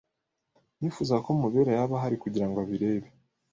Nifuzaga ko Mubera yaba ahari kugira ngo abirebe.